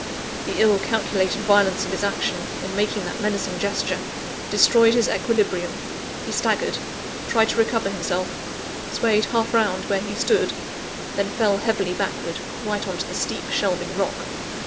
The ill calculated violence of his action, in making that menacing gesture, destroyed his equilibrium he staggered tried to recover himself swayed half round where he stood then fell heavily backward, right on to the steep shelving rock.